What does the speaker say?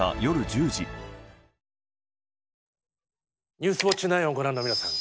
「ニュースウオッチ９」をご覧の皆さん